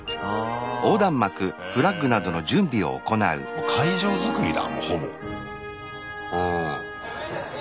もう会場づくりだほぼ。